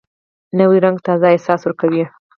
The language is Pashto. نوی رنګ تازه احساس ورکوي